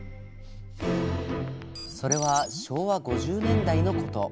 それは昭和５０年代のこと。